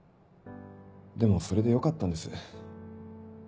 でもそれでよかったんです。